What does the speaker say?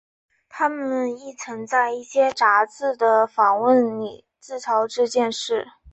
他们亦曾在一些杂志的访问里自嘲这件事。